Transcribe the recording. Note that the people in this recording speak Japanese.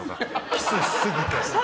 キスしすぎて。